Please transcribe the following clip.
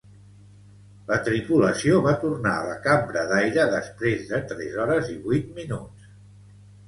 La tripulació va tornar a la cambra d'aire després de tres hores i vuit minuts.